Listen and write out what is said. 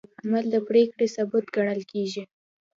عمل د پرېکړې ثبوت ګڼل کېږي.